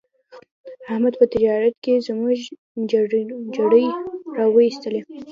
احمد په تجارت کې زموږ جرړې را و ایستلې.